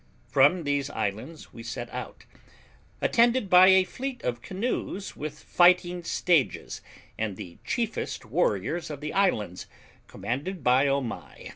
From these islands we set out, attended by a fleet of canoes with fighting stages and the chiefest warriors of the islands, commanded by Omai.